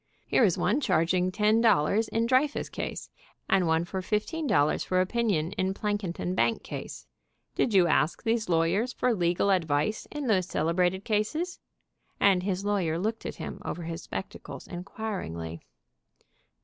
Here is one charging ten dollars in Dreyfus case, and one of fifteen dollars for opinion in Plank inton bankcase. Did you ask these lawyers for legal advice in those celebrated cases?" and his lawyer looked at him over his spectacles inquiringly.